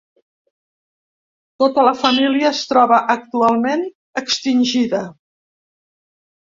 Tota la família es troba actualment extingida.